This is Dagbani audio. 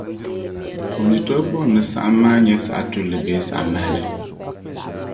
O ni tooi bɔri ni saɣim maa nye saɣitulli bee saɣimahili